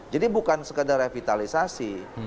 jadi bukan sekedar revitalisasi